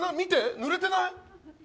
ぬれてない？